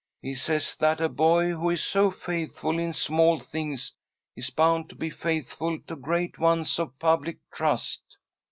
He says that a boy who is so faithful in small things is bound to be faithful to great ones of public trust."